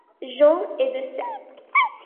Jean et de st.